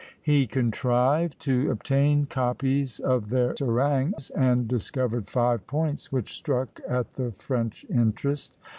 He contrived to obtain copies of their harangues, and discovered five points which struck at the French interest.